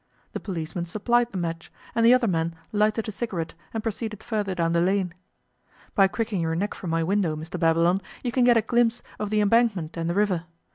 The policeman supplied the match, and the other man lighted a cigarette, and proceeded further down the lane. By cricking your neck from my window, Mr Babylon, you can get a glimpse of the Embankment and the river.